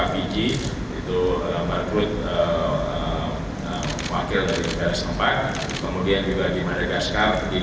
di fiji itu barclays wakil dari warga setempat kemudian juga di madagaskar